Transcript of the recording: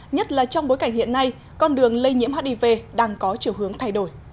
nhất là trong bối cảnh hiện nay con đường lây nhiễm hiv đang có chiều hướng thay đổi